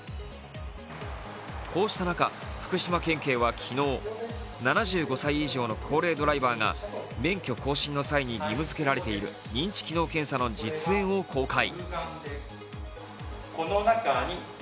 こうした中、福島県警は昨日７５歳以上の高齢ドライバーが免許更新の際に義務づけられている認知機能検査の実演を公開。